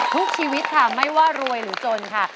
ทุกชีวิตค่ะไม่ว่ารวยหรือจนค่ะ